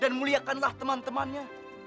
dan muliakanlah teman temannya